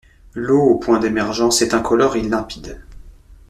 L'eau aux points d'émergence est incolore et limpide.